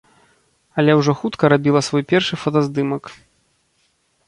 Але ўжо хутка рабіла свой першы фотаздымак.